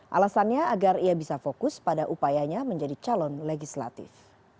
alasannya agar ia bisa fokus pada upayanya menjadi calon legislatif